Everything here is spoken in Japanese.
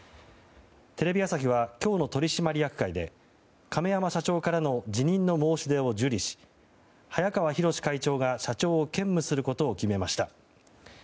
テレビ朝日は今日の取締役会で亀山社長からの辞任の申し出を受理し早河洋会長が社長を兼務することを決めました。